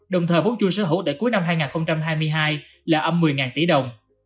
đồng thời vốn chua sở hữu tại cuối năm hai nghìn hai mươi hai là âm một mươi tỷ đồng